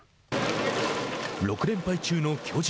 ６連敗中の巨人。